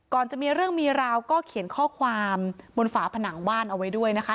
จะมีเรื่องมีราวก็เขียนข้อความบนฝาผนังบ้านเอาไว้ด้วยนะคะ